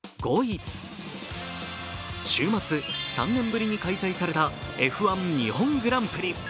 週末、３年ぶりに開催されたＦ１日本グランプリ。